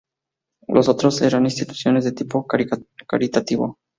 Los otros eran instituciones de tipo caritativo.